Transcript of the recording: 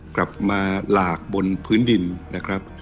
กลับมาหลากบนพื้นดินนะครับ